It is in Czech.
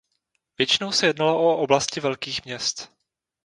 Většinou se jednalo o oblasti velkých měst.